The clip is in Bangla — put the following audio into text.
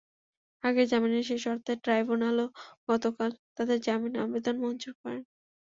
আগের জামিনের সেই শর্তে ট্রাইব্যুনালও গতকাল তাঁদের জামিন আবেদন মঞ্জুর করেন।